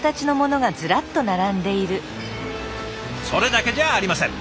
それだけじゃありません。